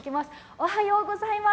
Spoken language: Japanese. おはようございます。